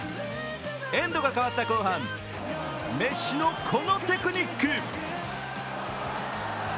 エンドが変わった後半メッシのこのテクニック。